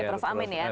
prof amin ya